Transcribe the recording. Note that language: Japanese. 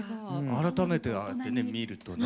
改めてねああやってね見るとね。